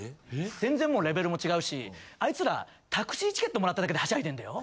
全然もうレベルも違うしあいつらタクシーチケット貰っただけではしゃいでんだよ。